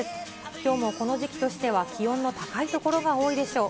きょうもこの時期としては、気温の高い所が多いでしょう。